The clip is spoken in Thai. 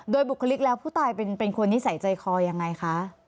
โดยบุคลิกแล้วผู้ตายเป็นคนนิสัยใจคอยังไงคะ